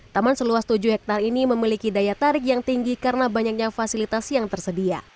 taman seluas tujuh hektare ini memiliki daya tarik yang tinggi karena banyaknya fasilitas yang tersedia